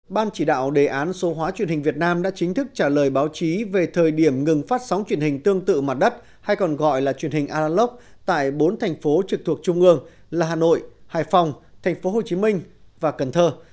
ban chỉ đạo đề án số hóa truyền hình việt nam đã chính thức trả lời báo chí về thời điểm ngừng phát sóng truyền hình tương tự mặt đất hay còn gọi là truyền hình aralock tại bốn thành phố trực thuộc trung ương là hà nội hải phòng tp hcm và cần thơ